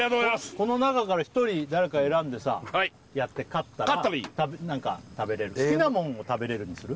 この中から一人誰か選んでさやって勝ったら勝ったらいい好きなもんを食べれるにする？